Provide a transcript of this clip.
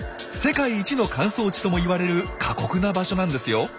世界一の乾燥地ともいわれる過酷な場所なんですよ。